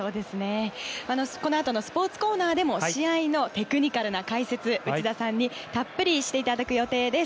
このあとのスポーツコーナーでも試合のテクニカルな解説を内田さんにたっぷりしていただく予定です。